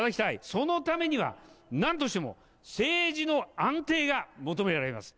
そのためには、なんとしても、政治の安定が求められます。